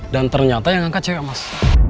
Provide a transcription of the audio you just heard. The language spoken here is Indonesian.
dan ternyata yang angkat cewek mas